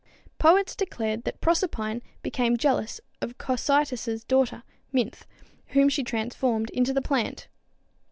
Poets declared that Proserpine became jealous of Cocytus's daughter, Minthe, whom she transformed into the plant.